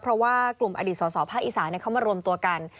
เพราะว่ากลุ่มอดีตสอภาคอีสานเข้ามารวมตัวกัน